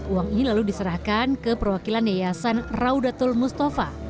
uang ini lalu diserahkan ke perwakilan yayasan raudatul mustafa